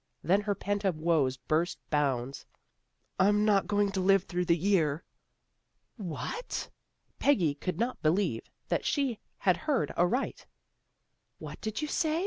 Then her pent up woes burst bounds. " I'm not going to live through the year." " What! " Peggy could not believe that she had heard aright. "What did you say?